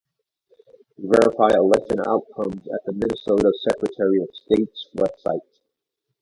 Verify election outcomes at the Minnesota Secretary of State's website.